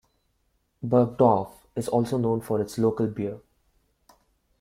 Burgdorf is also known for its local beer.